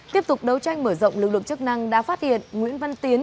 tiếp tục đấu tranh mở rộng lực lượng chức năng đã phát hiện nguyễn văn tiến